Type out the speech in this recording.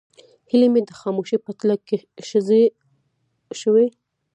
هیلې مې د خاموشۍ په تله کې ښخې شوې.